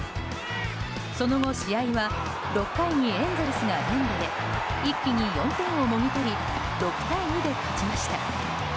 その後、試合は６回にエンゼルスが連打で一気に４点をもぎ取り６対２で勝ちました。